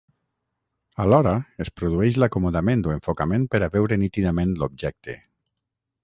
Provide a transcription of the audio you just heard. Alhora, es produeix l'acomodament o enfocament per a veure nítidament l'objecte.